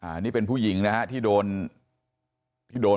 อันนี้เป็นผู้หญิงนะที่โดน